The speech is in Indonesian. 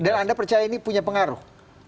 dan anda percaya ini punya pengaruh